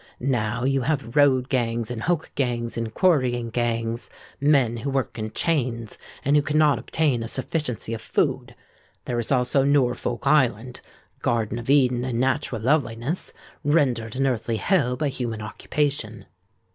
Now you have Road Gangs, and Hulk Gangs, and Quarrying Gangs,—men who work in chains, and who cannot obtain a sufficiency of food! There is also Norfolk Island—a Garden of Eden in natural loveliness, rendered an earthly hell by human occupation.